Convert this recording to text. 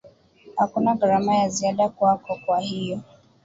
Hakuna gharama ya ziada kwako kwa hiyo